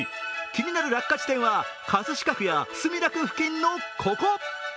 気になる落下地点は葛飾区や墨田区付近のここ。